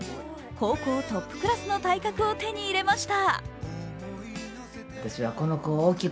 高校トップクラスの体格を手に入れました。